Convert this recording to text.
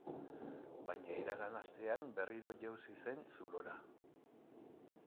Baina iragan astean berriro jausi zen zulora.